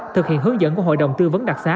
thực hiện hướng dẫn của hội đồng tư vấn đặc xá